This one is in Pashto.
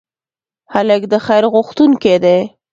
هلک د خیر غوښتونکی دی.